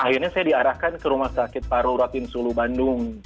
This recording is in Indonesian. akhirnya saya diarahkan ke rumah sakit paru rotinsulu bandung